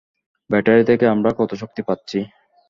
Battery থেকে আমরা কত শক্তি পাচ্ছি?